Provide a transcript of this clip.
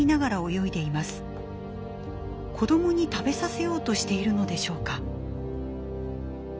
子どもに食べさせようとしているのでしょうか。